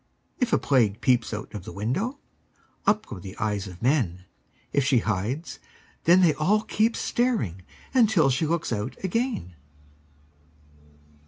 If a Plague peeps out of the window, Up go the eyes of men; If she hides, then they all keep staring Until she looks out again.